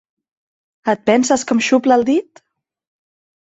Et penses que em xuple el dit?